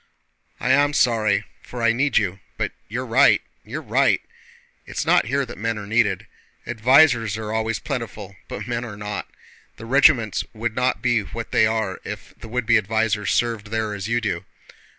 "I am sorry, for I need you. But you're right, you're right! It's not here that men are needed. Advisers are always plentiful, but men are not. The regiments would not be what they are if the would be advisers served there as you do.